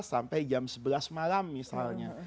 sampai jam sebelas malam misalnya